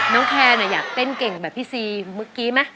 แคนอยากเต้นเก่งแบบพี่ซีเมื่อกี้ไหม